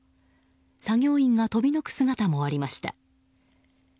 作業員が飛び退く姿もありました。